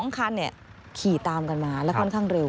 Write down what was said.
๒คันขี่ตามกันมาแล้วค่อนข้างเร็ว